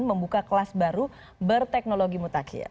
membuka kelas baru berteknologi mutakhir